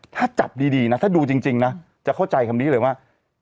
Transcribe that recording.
ถ้าจับดีนะถ้าดูจริงนะจะเข้าใจคำนี้เลยว่า